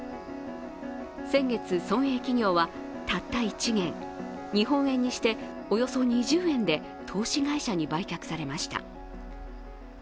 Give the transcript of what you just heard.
先月、村営企業はたった１元、日本円にしておよそ２０円で投資会社に売却されました。